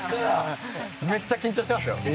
めっちゃ緊張してますよ。